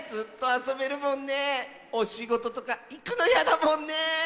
おしごととかいくのやだもんね。